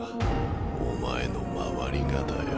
お前の周りがだよ。